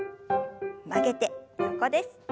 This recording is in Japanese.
曲げて横です。